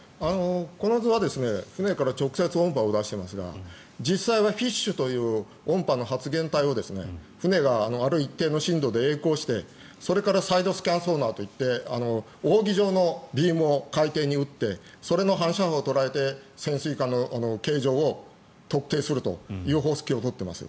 この図は船から直接音波を出していますが実際はフィッシュという音波の発源体を船がある一定の深度でえい航して、それからサイドスキャンソナーといって扇状のビームを海底に打ってその反射音を捉えて潜水艇の形状を特定するという方式を取っています。